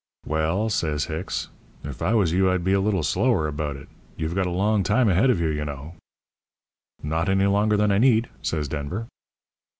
"'Well,' says Hicks, 'if I was you I'd be a little slower about it. You've got a long time ahead of you, you know.' "'Not any longer than I need,' says Denver.